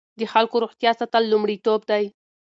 د خلکو روغتیا ساتل لومړیتوب دی.